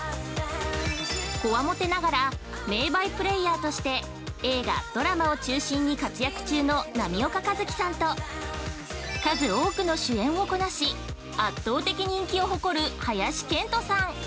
こわもてながら名バイプレーヤーとして映画、ドラマを中心に活躍中の波岡一喜さんと数多くの主演をこなし圧倒的人気を誇る林遣都さん。